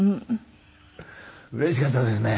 うれしかったですね。